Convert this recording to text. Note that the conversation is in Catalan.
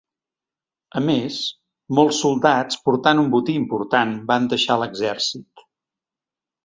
A més, molts soldats portant un botí important, van deixar l'exèrcit.